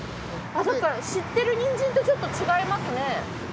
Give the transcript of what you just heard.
なんか知ってるニンジンとちょっと違いますね。